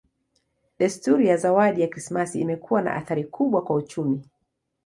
Desturi ya zawadi za Krismasi imekuwa na athari kubwa kwa uchumi.